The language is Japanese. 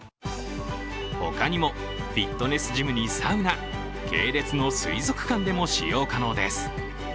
他にもフィットネスジムにサウナ、系列の水族館でも使用可能です。